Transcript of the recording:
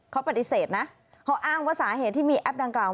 เขาปฏิเสธนะเขาอ้างว่าสาเหตุที่มีแอปดังกล่าว